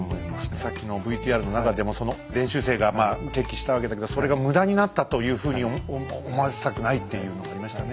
さっきのＶＴＲの中でもその練習生が決起したわけだけどそれが無駄になったというふうに思わせたくないっていうのがありましたね。